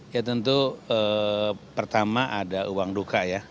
ya tentu pertama ada uang duka ya